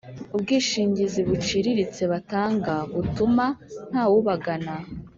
ubwishingizi buciriritse batanga butuma ntawubagana